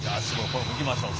これもいきましょう。